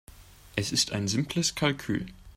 Es ist ein simples Kalkül.